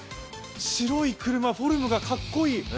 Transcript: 白い車、フォルムかっこいい。